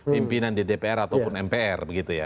pimpinan di dpr ataupun mpr